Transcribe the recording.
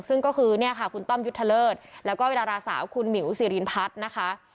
ซึ่งก็คือเนี่ยค่ะคุณต้อมยุทธเลิศแล้วก็ดาราสาวคุณหมิวสิรินพัฒน์นะคะ